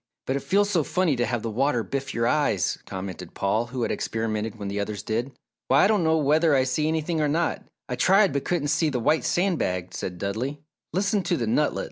"But it feels so funny to have the water biff your eyes," commented Paul, who had experimented when the others did. "Why, I don't know whether I see anything or not! I tried but couldn't see the white sand bag," said Dudley. "Listen to the nutlet!"